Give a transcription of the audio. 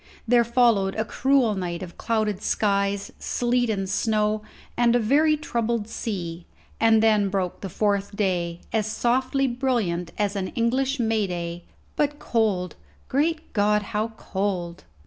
There followed a cruel night of clouded skies, sleet, and snow, and a very troubled sea; and then broke the fourth day, as softly brilliant as an English May day, but cold great God, how cold!